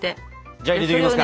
じゃあ入れていきますか。